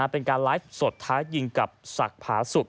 เป็นการไลฟ์สดท้ายิงกับศักดิ์ผาสุก